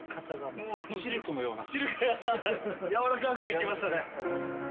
柔らかくいきましたね。